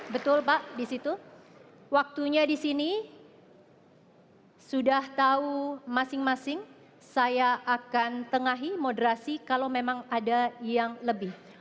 betul pak disitu waktunya disini sudah tahu masing masing saya akan tengahi moderasi kalau memang ada yang lebih